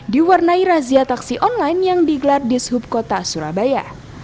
diwarnai razia taksi online yang digelar di subkota surabaya